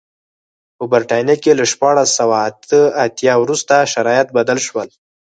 په برېټانیا کې له شپاړس سوه اته اتیا وروسته شرایط بدل شول.